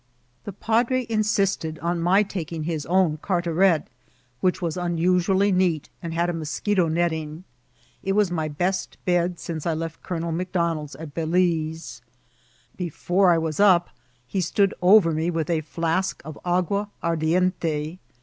The padre insisted on my taking his own cartareti which was unusually neat^ and had a moscheto*netting. tt was my best bed since I left Colonel McDonald's at Balise. Before I was up he stood over me with a flask of agua ardiente.